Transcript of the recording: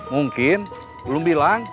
mungkin belum bilang